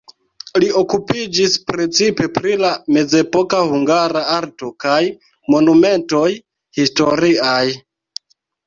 Li okupiĝis precipe pri la mezepoka hungara arto kaj monumentoj historiaj.